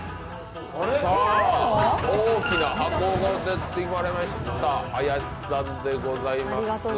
大きな箱を持ってまいりました林さんでございます。